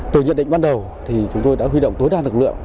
từ nhận định bắt đầu chúng tôi đã huy động tối đa lực lượng